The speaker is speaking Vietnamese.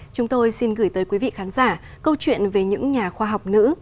chúng tôi xin gửi tới quý vị khán giả câu chuyện về những nhà khoa học nữ